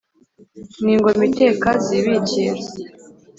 n’ingoma iteka zibikira